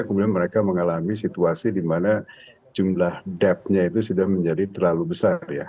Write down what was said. kemudian mereka mengalami situasi di mana jumlah debtnya itu sudah menjadi terlalu besar ya